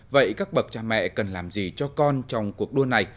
vậy các bậc cha mẹ cần làm gì cho con trong cuộc đua này